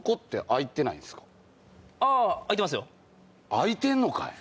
空いてんのかい。